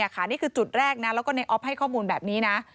นี่คือจุดแรกนะแล้วก็ในออฟให้ข้อมูลแบบนี้นะ